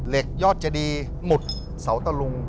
เหล็กยอดจะดีหมุดเสาตะลุง